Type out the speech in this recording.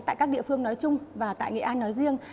tại các địa phương nói chung và tại nghệ an nói riêng